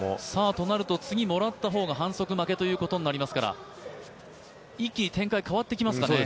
となると次もらった方が反則負けとなりますから一気に展開変わってきますかね。